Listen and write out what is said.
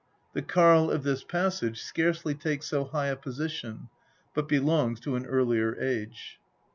The Karl of this passage scarcely takes so high a position, but belongs to an earlier age.